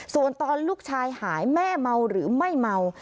ส่วนตอนลูกชายหายแม่เมาหรือไม่เมา